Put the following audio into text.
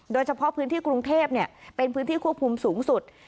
โดยเฉพาะพื้นที่กรุงเทพเป็นพื้นที่ควบคุมสูงสุด